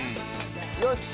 よし！